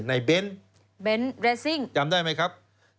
นายเบ้นจำได้ไหมครับเบ้นเรสซิ่ง